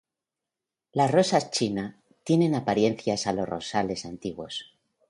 Las rosas China tienen apariencias a los rosales antiguos.